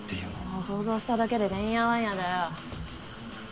もう想像しただけでてんやわんやだよ。